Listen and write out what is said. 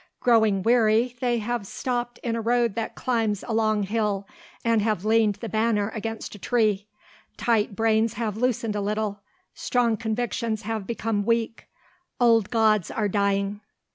Growing weary they have stopped in a road that climbs a long hill and have leaned the banner against a tree. Tight brains have loosened a little. Strong convictions have become weak. Old gods are dying.